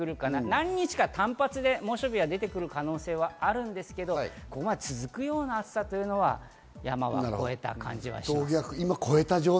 何日か単発で猛暑日は出てくる可能性もあるんですが、続くような暑さというのは山を越えた感じはします。